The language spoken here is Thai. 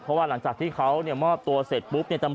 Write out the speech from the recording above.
เพราะว่าหลังจากที่เขามอบตัวเสร็จปุ๊บเนี่ย